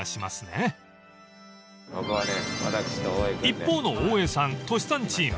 ［一方の大江さんトシさんチーム］